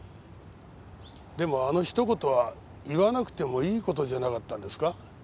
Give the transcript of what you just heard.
でもあの一言は言わなくてもいい事じゃなかったんですか？